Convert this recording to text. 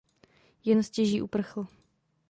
Jen stěží uprchl.